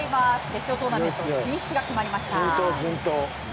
決勝トーナメント進出が決まりました。